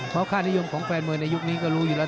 เพราะค่านิยมของแฟนมวยในยุคนี้ก็รู้อยู่แล้ว